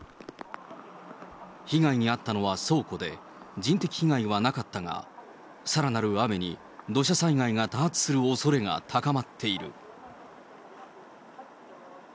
被害に遭ったのは倉庫で、人的被害はなかったが、さらなる雨に土砂災害が多発するおそれが高まっている。